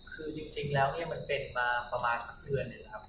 คือจริงแล้วมันเป็นมาประมาทสักเดือนด้วยครับ